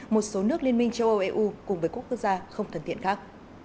một số nước liên minh châu âu eu cùng với quốc gia không thân thiện khác